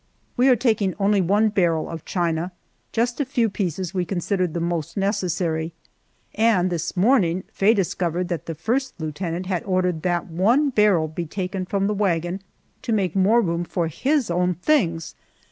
We are taking only one barrel of china just a few pieces we considered the most necessary and this morning Faye discovered that the first lieutenant had ordered that one barrel to be taken from the wagon to make more room for his own things.